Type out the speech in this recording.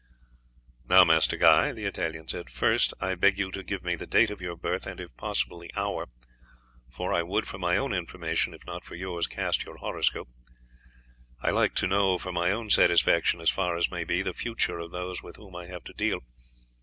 "Now, Master Guy," the Italian said, "firstly, I beg you to give me the date of your birth and if possible the hour, for I would for my own information if not for yours, cast your horoscope. I like to know for my own satisfaction, as far as may be, the future of those with whom I have to deal.